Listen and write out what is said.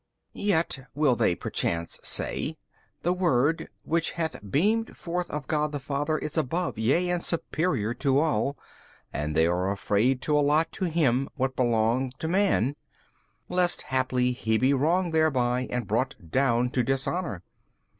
B. Yet (will they perchance say) the Word which hath beamed forth of God the Father is above, yea and superior to all; and they are afraid to allot to Him what belong to man, lest haply He be wronged thereby and brought down to dishonour.